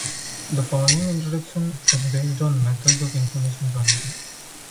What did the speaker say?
The following introduction is based on "Methods of Information Geometry".